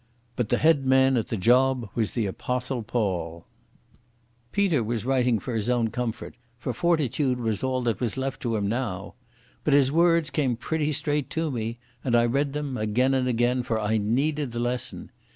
But the head man at the job was the Apostle Paul ..._ Peter was writing for his own comfort, for fortitude was all that was left to him now. But his words came pretty straight to me, and I read them again and again, for I needed the lesson.